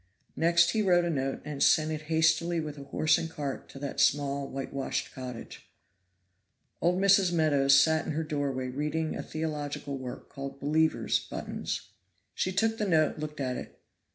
Next he wrote a note and sent it hastily with a horse and cart to that small whitewashed cottage. Old Mrs. Meadows sat in her doorway reading a theological work called "Believers' Buttons." She took the note, looked at it.